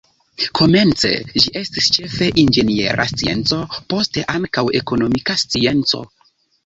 Komence ĝi estis ĉefe inĝeniera scienco, poste ankaŭ ekonomika scienco.